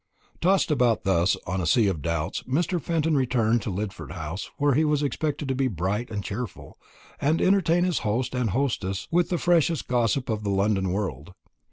Tossed about thus upon a sea of doubts, Mr. Fenton returned to Lidford House, where he was expected to be bright and cheerful, and entertain his host and hostess with the freshest gossip of the London world.